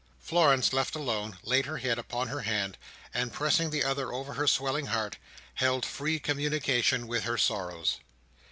Florence left alone, laid her head upon her hand, and pressing the other over her swelling heart, held free communication with her sorrows.